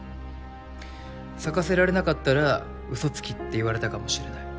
咲かせられなかったらうそつきって言われたかもしれない。